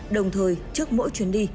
đồng thời trước mỗi chuyến đi